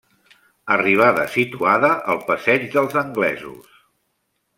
Arribada situada al Passeig dels Anglesos.